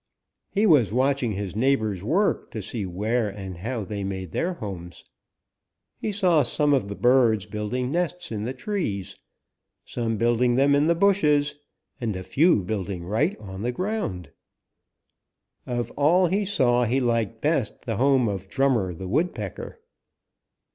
"He was watching his neighbors work to see where and how they made their homes. He saw some of the birds building nests in the trees, some building them in the bushes, and a few building right on the ground. "Of all he saw he liked best the home of Drummer the Woodpecker.